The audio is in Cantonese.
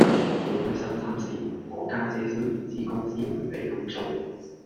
要開新衫試，我家姐雖然知公司唔俾咁做，